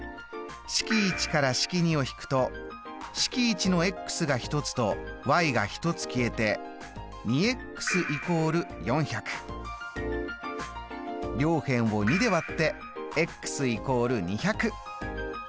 式１から式２を引くと式１のが１つとが１つ消えて両辺を２で割って＝